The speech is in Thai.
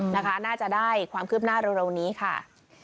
น่าจะได้ความคืบหน้าเร็วนี้ค่ะ